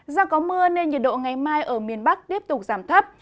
do có mưa nên nhiệt độ ngày mai ở miền bắc tiếp tục giảm thấp